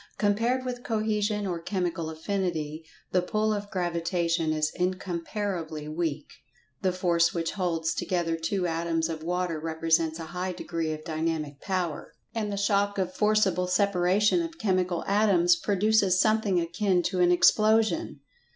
Compared with Cohesion or Chemical Affinity, the pull of Gravitation is incomparably weak. The force which holds together two atoms of water represents a high degree of dynamic power, and the shock of forcible separation of chemical atoms produces something akin to an explosion.